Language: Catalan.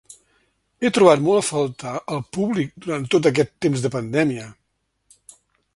He trobat molt a faltar el públic durant tot aquest temps de pandèmia.